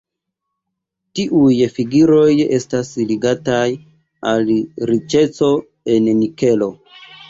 Tiuj figuroj estas ligataj al la riĉeco en nikelo.